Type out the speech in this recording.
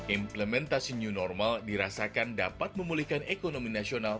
implementasi new normal dirasakan dapat memulihkan ekonomi nasional